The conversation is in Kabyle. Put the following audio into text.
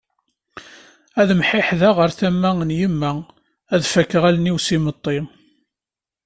Ad mḥiḥdeɣ ɣer tama n yemma ad d-fakkeɣ allen-iw s yimeṭṭi.